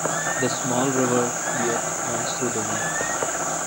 The small river Liette runs through the village.